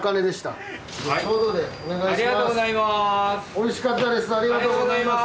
おいしかったです。